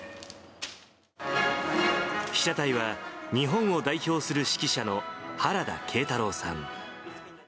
被写体は、日本を代表する指揮者の原田けいたろうさん。